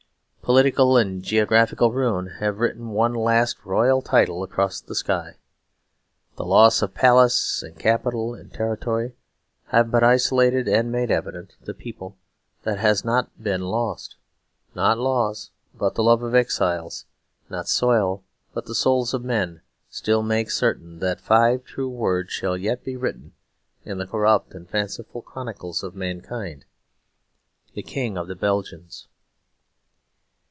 Political and geographical ruin have written one last royal title across the sky; the loss of palace and capital and territory have but isolated and made evident the people that has not been lost; not laws but the love of exiles, not soil but the souls of men, still make certain that five true words shall yet be written in the corrupt and fanciful chronicles of mankind: "The King of the Belgians."